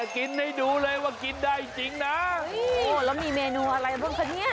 กินให้ดูเลยว่ากินได้จริงนะแล้วมีเมนูอะไรบ้างคะเนี่ย